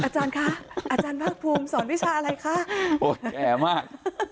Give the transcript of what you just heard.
อาจารย์คะอาจารย์ภาคภูมิสอนวิชาอะไรคะโอ้ยแก่มาก